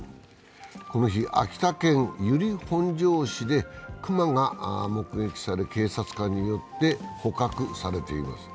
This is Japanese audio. この日、秋田県由利本荘市で熊が目撃され、警察官によって捕獲されています。